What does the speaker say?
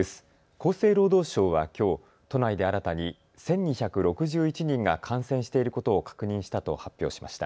厚生労働省はきょう都内で新たに１２６１人が感染していることを確認したと発表しました。